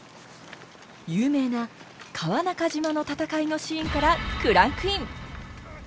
有名な川中島の戦いのシーンからクランクイン！